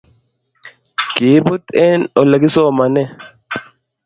Kiibut eng Ole kisomanee